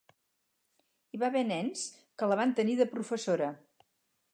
Hi va haver nens que la van tenir de professora.